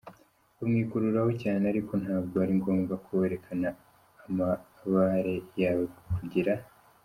bamwikururaho cyane, ariko ntabwo ari ngombwa ko werekana amabare yawe kugira.